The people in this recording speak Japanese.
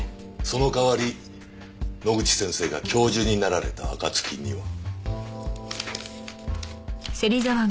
その代わり野口先生が教授になられた暁には。